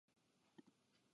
埼玉県坂戸市